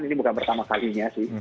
ini bukan pertama kalinya sih